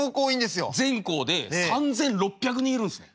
全校で３，６００人いるんですね。